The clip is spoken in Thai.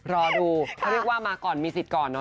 รอดูเขาเรียกว่ามาก่อนมีสิทธิ์ก่อนเนอ